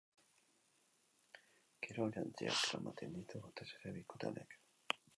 Kirol-jantziak eramaten ditu batez ere bikote honek.